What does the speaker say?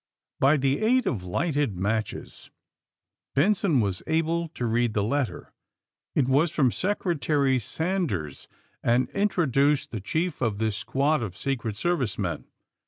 By the aid of lighted matches Benson was able to read the letter. It was from Secretary Sanders and introduced the chief of this squad of Secret Service men.